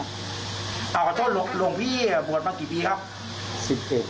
โปรดภัทรโรงพี่บรวดบางกี่ปีครับ